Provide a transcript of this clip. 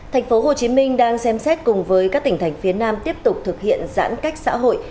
tp hcm đang xem xét cùng với các tỉnh thành phía nam tiếp tục thực hiện giãn cách xã hội